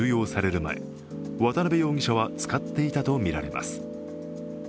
前渡辺容疑者は使っていたとみられます。